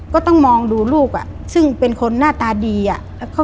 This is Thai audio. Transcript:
ก็ต้องมองดูลูกอ่ะซึ่งเป็นคนหน้าตาดีอ่ะ